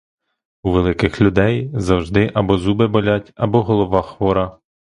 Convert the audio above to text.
У великих людей завжди або зуби болять, або голова хвора.